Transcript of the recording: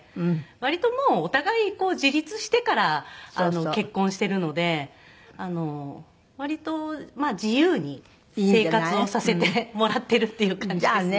割ともうお互い自立してから結婚しているので自由に生活をさせてもらっているっていう感じですね。